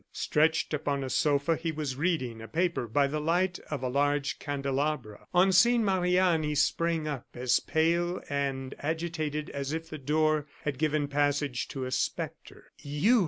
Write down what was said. Stretched upon a sofa, he was reading a paper by the light of a large candelabra. On seeing Marie Anne he sprang up, as pale and agitated as if the door had given passage to a spectre. "You!"